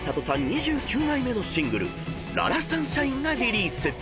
２９枚目のシングル『ララサンシャイン』がリリース］